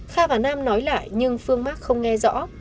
kha và nam nói lại nhưng phương mắc không nghe rõ